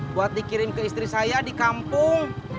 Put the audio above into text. buat dikirim ke istri saya di kampung